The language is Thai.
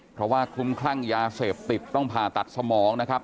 เพราะว่าคลุมคลั่งยาเสพติดต้องผ่าตัดสมองนะครับ